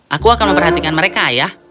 aku akan memperhatikan mereka ayah